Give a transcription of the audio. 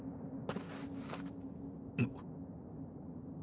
あっ。